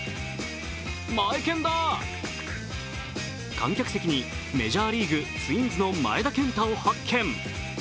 観客席にメジャーリーグツインズの前田健太を発見。